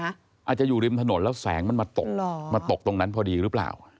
อาจจะอยู่ริมถนนแล้วแสงมันมาตกมาตกตรงนั้นพอดีหรือเปล่า